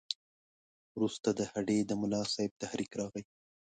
وروسته د هډې د ملاصاحب تحریک راغی.